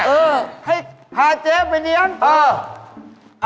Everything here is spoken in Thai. เออให้พาเจ๊ไปเลี้ยงเออ